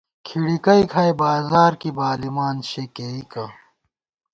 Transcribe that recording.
کھِڑِکَئ کھائی بازار کی بالِمان شےکېئیکہ